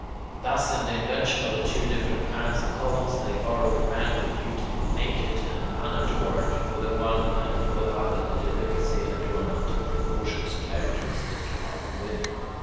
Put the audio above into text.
Thus in the invention of the two different kinds of columns, they borrowed manly beauty, naked and unadorned, for the one, and for the other the delicacy, adornment, and proportions characteristic of women.